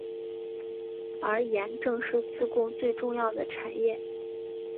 而盐正是自贡最重要的产业。